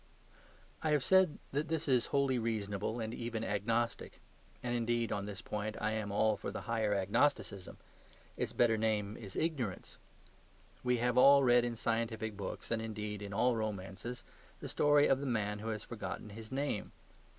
I have said that this is wholly reasonable and even agnostic. And, indeed, on this point I am all for the higher agnosticism; its better name is Ignorance. We have all read in scientific books, and, indeed, in all romances, the story of the man who has forgotten his name.